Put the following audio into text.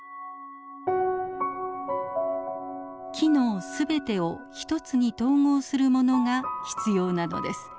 機能全てを一つに統合するものが必要なのです。